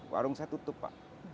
warung saya tutup pak